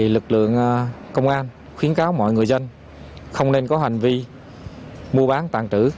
lực lượng công an khuyến cáo mọi người dân không nên có hành vi mua bán tàn trữ